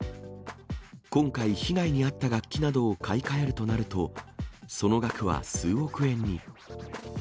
今回、被害に遭った楽器などを買い替えるとなると、その額は数億円に。